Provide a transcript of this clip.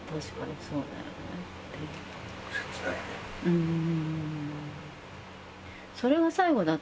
うん。